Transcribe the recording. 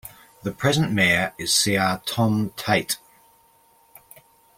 The present mayor is Cr Tom Tate.